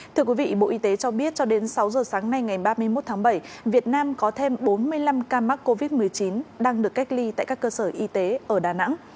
thưa quý vị bộ y tế cho biết cho đến sáu giờ sáng nay ngày ba mươi một tháng bảy việt nam có thêm bốn mươi năm ca mắc covid một mươi chín đang được cách ly tại các cơ sở y tế ở đà nẵng